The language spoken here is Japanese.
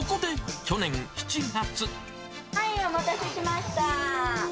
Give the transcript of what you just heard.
はい、お待たせしました。